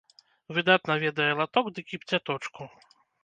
Выдатна ведае латок ды кіпцяточку.